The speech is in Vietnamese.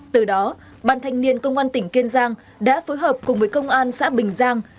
từ đó ban thanh niên công an tỉnh kiên giang đã phối hợp cùng với công an xã bình giang